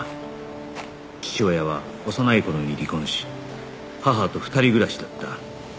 父親は幼い頃に離婚し母と２人暮らしだった